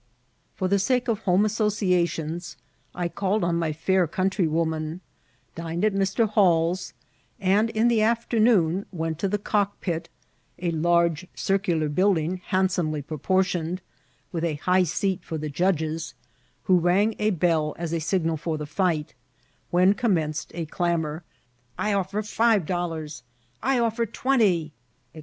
For the sake of home associations, I called on my fair countrywoman ; dined at Mr. Hall's, and in the afternoon went to the cockpit, a large circular building handsomely proportioned, with a high seat for the judges, who rang a bell as a signal for the fight, when commenced a clam our: "I oflfer five dollars!" "I offer twenty," &c.